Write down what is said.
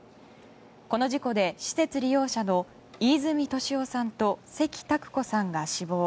この事故で施設利用者の飯泉利夫さんと関拓子さんが死亡。